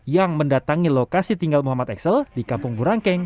yang mendatangi lokasi tinggal muhammad excel di kampung burangkeng